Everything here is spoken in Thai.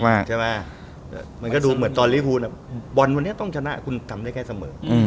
มันก็ดูเหมือนตอนลีฮูนบอลวันนี้ต้องชนะคุณทำได้แค่เสมอ